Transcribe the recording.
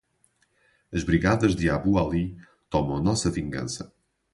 As brigadas de Abu Ali tomam a nossa vingança